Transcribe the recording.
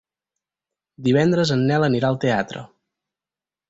Divendres en Nel anirà al teatre.